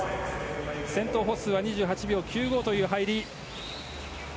先頭、ホッスーは２８秒９５という入り。